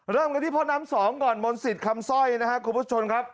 เริ่มกันที่พ่อน้ำสองก่อนมนต์สิทธิ์คำสร้อยนะครับคุณผู้ชมครับ